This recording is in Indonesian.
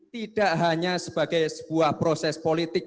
tidak hanya sebagai sebuah proses politik